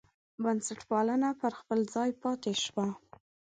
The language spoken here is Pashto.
بنسټپالنه پر خپل ځای پاتې شوه.